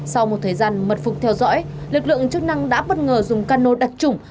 sau một thời gian mật phục theo dõi lực lượng chức năng đã bất ngờ dùng cano đặc trủng